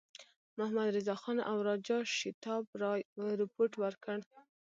محمدرضاخان او راجا شیتاب رای رپوټ ورکړ.